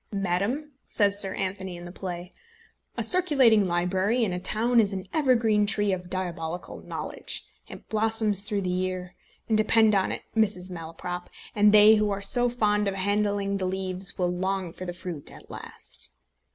"Madam," says Sir Anthony in the play, "a circulating library in a town is an evergreen tree of diabolical knowledge. It blossoms through the year; and depend on it, Mrs. Malaprop, that they who are so fond of handling the leaves will long for the fruit at last."